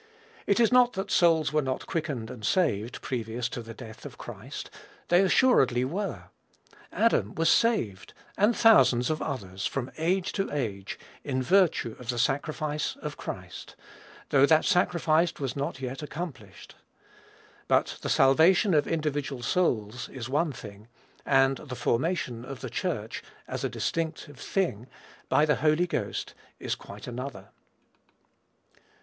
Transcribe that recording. It is not that souls were not quickened and saved, previous to the death of Christ. They assuredly were. Adam was saved, and thousands of others, from age to age, in virtue of the sacrifice of Christ, though that sacrifice was not yet accomplished. But the salvation of individual souls is one thing; and the formation of the Church, as a distinctive thing, by the Holy Ghost, is quite another.